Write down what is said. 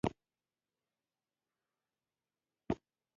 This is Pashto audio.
ولایتونه د افغانستان د سیلګرۍ یوه برخه ده.